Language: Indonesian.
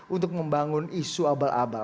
untuk membangun isu abal abal